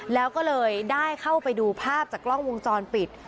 แล้วก็เลยได้เข้าไปดูภาพจากกล้องวงจรปิด